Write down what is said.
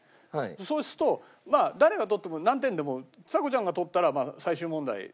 そうすると誰が取っても何点でもちさ子ちゃんが取ったら最終問題。